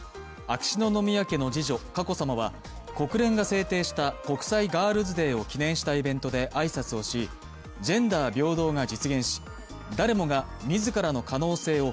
秋篠宮家の次女・佳子さまは国連が制定した国際ガールズ・デーを記念したイベントで挨拶をし、ジェンダー平等が実現し、誰もが自らの可能性を